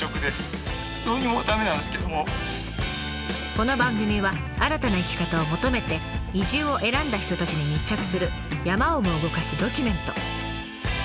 この番組は新たな生き方を求めて移住を選んだ人たちに密着する山をも動かすドキュメント。